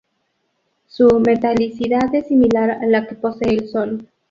Su metalicidad es similar a la que posee el Sol.